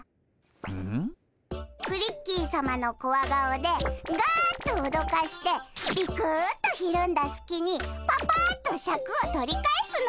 クリッキーさまのコワ顔でガッとおどかしてビクッとひるんだすきにパパッとシャクを取り返すのだ！